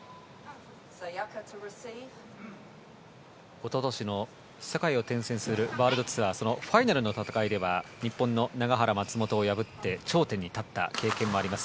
一昨年の世界を転戦するワールドツアーそのファイナルの戦いでは日本の永原、松本を破って頂点に立った経験もあります